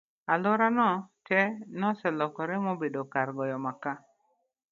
alwora no te noselokore mobedo kar goyo maka